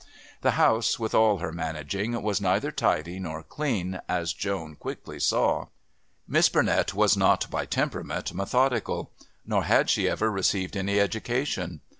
The house, with all her managing, was neither tidy nor clean, as Joan quickly saw; Miss Burnett was not, by temperament, methodical, nor had she ever received any education.